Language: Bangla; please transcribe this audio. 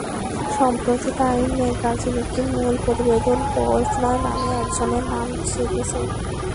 সম্প্রতি টাইম ম্যাগাজিন একটি মূল প্রতিবেদনে পোর্টনয় নামে একজনের নাম ছেপেছে।